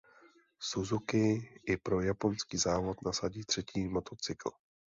Suzuki i pro japonský závod nasadí třetí motocykl.